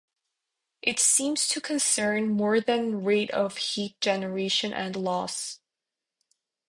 It seemed to concern more than rate of heat generation and loss.